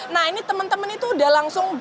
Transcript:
nah ini teman teman itu udah langsung